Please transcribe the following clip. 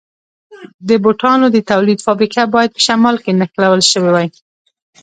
د بوټانو د تولید فابریکه باید په شمال کې نښلول شوې وای.